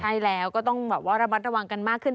ใช่แล้วก็ต้องแบบว่าระมัดระวังกันมากขึ้น